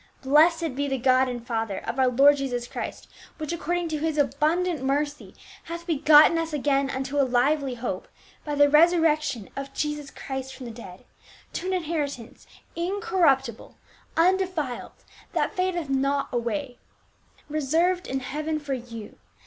" Blessed be the God and Father of our Lord Jesus Christ, which according to his abundant mercy hath begotten us again unto a lively hope b)' the resurrection of Jesus Christ from the dead, to an inheritance incorruptible, undefiled, that fadeth not away, reserved in heaven for you.